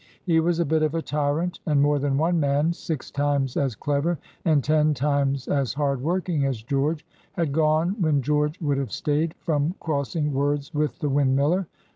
He was a bit of a tyrant, and more than one man, six times as clever, and ten times as hard working as George, had gone when George would have stayed, from crossing words with the windmiller.